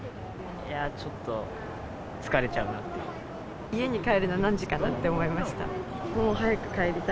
いやー、ちょっと疲れちゃうなっ家に帰るの何時かなって思いました。